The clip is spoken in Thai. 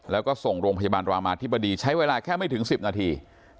แล้วก็ส่งโรงพยาบาลรามาธิบดีใช้เวลาแค่ไม่ถึง๑๐นาที